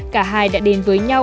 cả hai đã đến với nhau